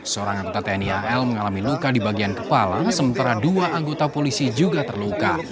seorang anggota tni al mengalami luka di bagian kepala sementara dua anggota polisi juga terluka